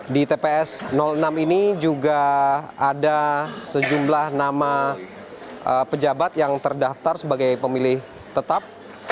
di tps enam ini juga ada sejumlah nama pejabat yang terdaftar sebagai pemilih tetap